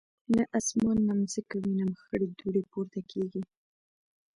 نه اسمان نه مځکه وینم خړي دوړي پورته کیږي